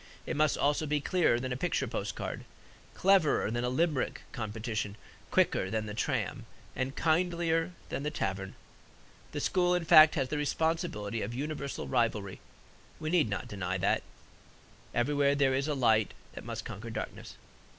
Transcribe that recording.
It must also be clearer than a picture postcard, cleverer than a Limerick competition, quicker than the tram, and kindlier than the tavern. The school, in fact, has the responsibility of universal rivalry. We need not deny that everywhere there is a light that must conquer darkness.